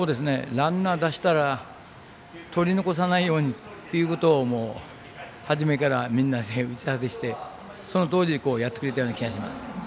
ランナー出したら取り残さないようにということを初めからみんなで打ち合わせしてそのとおりにやってくれたような気がします。